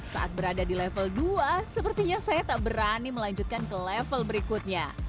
saat berada di level dua sepertinya saya tak berani melanjutkan ke level berikutnya